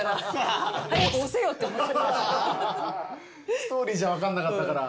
ストーリーじゃ分かんなかったから。